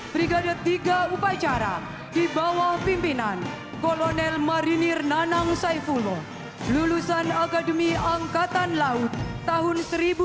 brigade tiga upacara di bawah pimpinan kolonel marinir nanang saifullah lulusan akademi angkatan laut tahun seribu sembilan ratus sembilan puluh